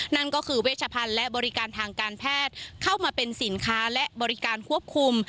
นั่นก็คือเวชพันธ์และบริการทางการแพทย์เข้ามาเป็นสินค้าและบริการควบคุม